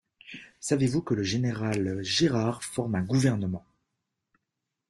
Savez-vous que le général Gérard forme un gouvernement?